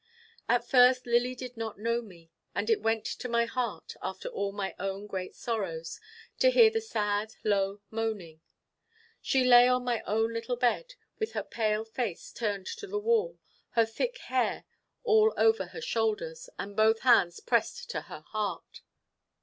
At first Lily did not know me; and it went to my heart, after all my own great sorrows, to hear the sad low moaning. She lay on my own little bed, with her pale face turned to the wall, her thick hair all over her shoulders, and both hands pressed to her heart.